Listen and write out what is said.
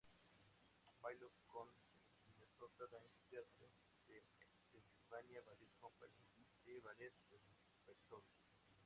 Bailó con "The Minnesota Dance Theatre", "The Pennsylvania Ballet Company" y "The Ballet Repertory".